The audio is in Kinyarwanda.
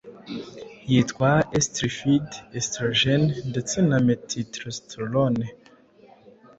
yitwa estrified estrogens ndetse na methyltestosterone